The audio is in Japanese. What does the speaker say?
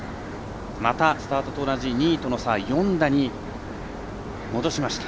またスタートと同じ２位との差、４打に戻しました。